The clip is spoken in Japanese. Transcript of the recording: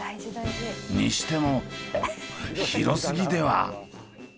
にしても広すぎでは？